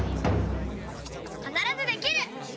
「かならずできる！」。